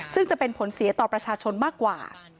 ซึ่งจะเป็นผลเสียต่อประชาชนมากกว่า